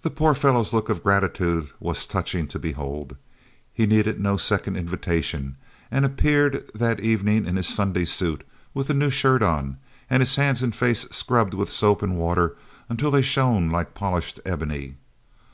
The poor fellow's look of gratitude was touching to behold. He needed no second invitation, and appeared that evening in his Sunday suit, with a new shirt on, and his hands and face scrubbed with soap and water until they shone like polished ebony.